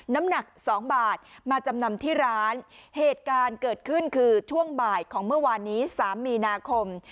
น้ำหนักสองบาทมาจำนำที่ร้านเหตุการณ์เกิดขึ้นคือช่วงบ่ายของเมื่อวานนี้สามมีนาคม